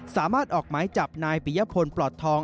สามารถออกหมายจับนายปิยพลปลอดทอง